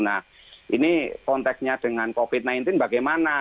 nah ini konteksnya dengan covid sembilan belas bagaimana